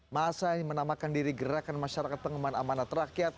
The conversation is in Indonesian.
masa ini menamakan diri gerakan masyarakat pengembangan amanat rakyat